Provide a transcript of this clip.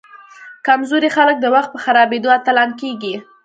کمزوري خلک د وخت په خرابیدو اتلان کیږي.